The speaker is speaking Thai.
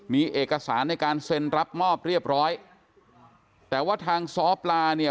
มีเอกสารในการเซ็นรับมอบเรียบร้อยแต่ว่าทางซ้อปลาเนี่ย